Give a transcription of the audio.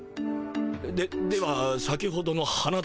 ででは先ほどの花たばは？